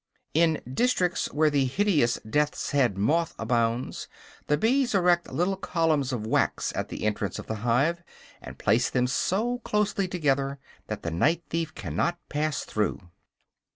In districts where the hideous death's head moth abounds, the bees erect little columns of wax at the entrance of the hive, and place them so closely together that the night thief cannot pass through.